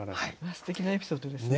すてきなエピソードですね。